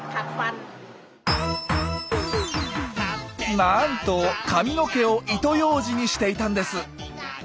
なんと髪の毛を糸ようじにしていたんです！